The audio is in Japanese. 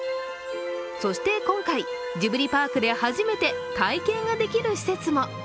そして今回、ジブリパークで初めて体験ができる施設も。